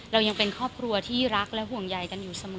เรายังเป็นครอบครัวที่รักและห่วงใยกันอยู่เสมอ